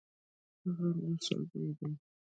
هغه نرښځی دی.